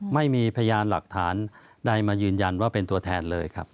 ไม่มีพยานหลักฐานใดมายืนยันว่าเป็นตัวแทนเลยครับ